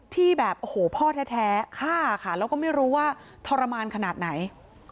ที่แบบโอ้โหพ่อแท้ฆ่าค่ะแล้วก็ไม่รู้ว่าทรมานขนาดไหน